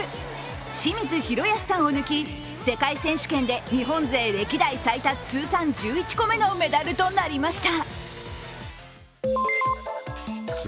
清水宏保さんを抜き、世界選手権で日本勢歴代最多通算１１個目のメダルとなりました。